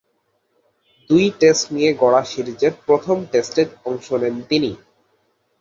দুই টেস্ট নিয়ে গড়া সিরিজের প্রথম টেস্টে অংশ নেন তিনি।